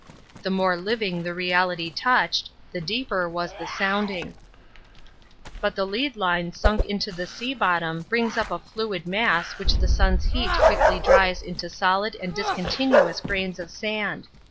The more living the reality touched, the deeper was the sounding. But the lead line sunk to the sea bottom brings up a fluid mass which the sun's heat quickly dries into solid and discontinuous grains of sand.